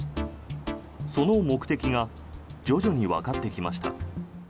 その目的が徐々にわかってきました。